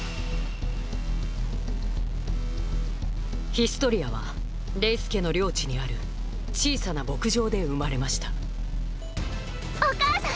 ヒストリアはレイス家の領地にある小さな牧場で生まれましたお母さん！